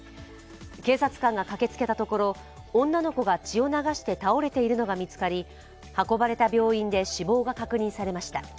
警察官が駆けつけたところ、女の子が血を流して倒れているのが見つかり運ばれた病院で死亡が確認されました。